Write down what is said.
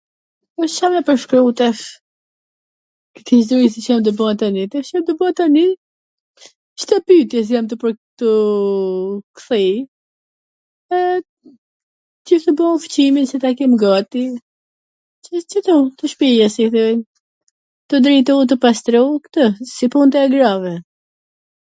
tash, Ca me pwrshkru tash, ke zw njw send me ba tani, me ba tani, Cdo pytje se jam tu kthii, eee, qysh e bo ushqimin si ta kem gati, Ca Ca do shpia qi tw..., tu drejtu e tu pastru, kto, si punt e grave